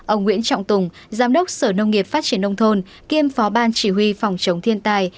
ông nguyễn trọng tùng giám đốc sở nông nghiệp phát triển nông thôn kiêm phó ban chỉ huy phòng chống thiên tai